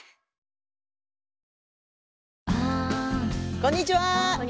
こんにちは。